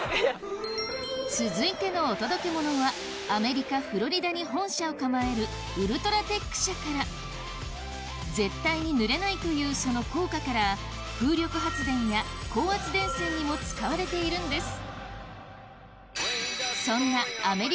続いてのお届けモノはアメリカフロリダに本社を構えるウルトラテック社から絶対にぬれないというその効果から風力発電や高圧電線にも使われているんです